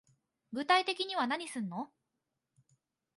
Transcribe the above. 具体的には何すんの